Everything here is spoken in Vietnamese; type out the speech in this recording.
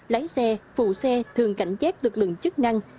lái xe phụ xe thường cảnh giác lực lượng chức năng